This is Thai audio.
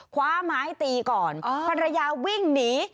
คว้าไม้ตีก่อนภรรยาวิ่งหนี